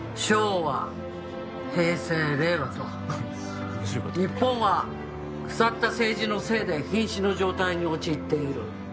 「昭和平成令和と日本は腐った政治のせいで瀕死の状態に陥っている」